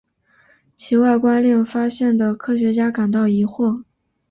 其外观令发现的科学家感到疑惑。